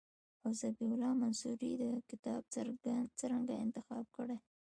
او ذبیح الله منصوري دا کتاب څرنګه انتخاب کړی.